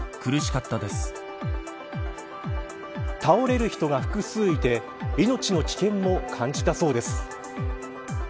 倒れる人が複数いて命の危険も感じたそうです。